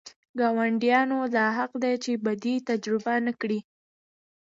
ګاونډیانو دا حق دی چې بدي تجربه نه کړي.